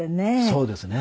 そうですね。